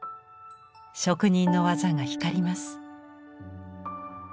職人の技が光ります。